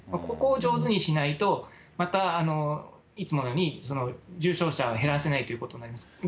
ここを上手にしないと、またいつものように、重症者を減らせないということになります。